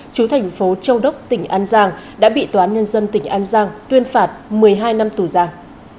chú thành phố châu đốc tỉnh an giang đã bị tòa án nhân dân tỉnh an giang tuyên phạt một mươi hai năm tù giang